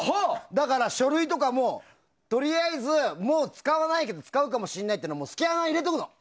だから書類とかもとりあえず、もう使わないけど使うかもしれないっていうのをスキャンを入れとくの。